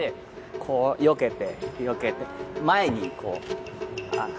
よけてよけて前にこう。